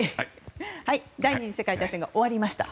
第２次世界大戦が終わりました。